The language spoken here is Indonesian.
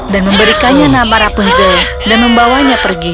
dan memberikannya nama rapunzel dan membawanya pergi